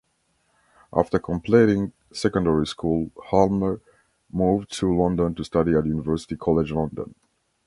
After completing secondary school Hulme moved to London to study at University College London.